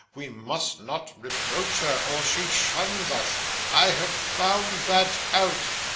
We must not reproach her, or she shuns us; I have found that out.